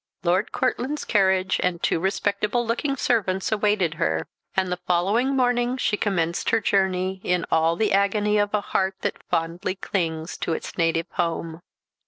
Lord Courtland's carriage and two respectable looking servants awaited her; and the following morning she commenced her journey in all the agony of a heart that fondly clings to its native home.